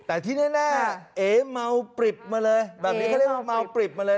แต่ที่แน่เอ๋เมาปริบมาเลยแบบนี้เขาเรียกว่าเมาปริบมาเลย